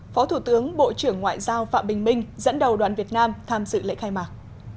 phó thủ tướng bộ trưởng ngoại giao phạm bình minh dẫn đầu đoàn việt nam tham dự lễ khai mạc